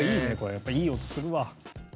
やっぱいい音するわ。